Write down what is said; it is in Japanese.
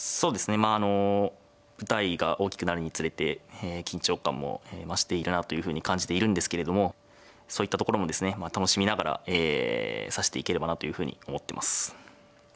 まああの舞台が大きくなるにつれて緊張感も増しているなというふうに感じているんですけれどもそういったところもですね楽しみながら指していければなというふうに思ってます。